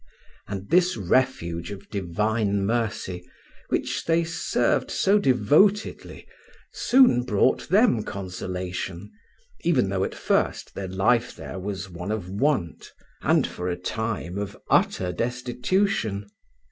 And this refuge of divine mercy, which they served so devotedly, soon brought them consolation, even though at first their life there was one of want, and for a time of utter destitution.